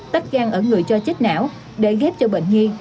tách tạng ở người cho chết não để ghép cho bệnh nhiên